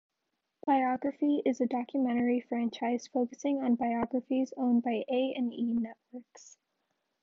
"Biography" is a documentary franchise focusing on biographies owned by A and E Networks.